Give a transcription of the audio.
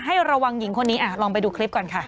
ระวังหญิงคนนี้ลองไปดูคลิปก่อนค่ะ